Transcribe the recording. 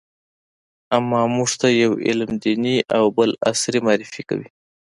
اما موږ ته يو علم دیني او بل عصري معرفي کوي.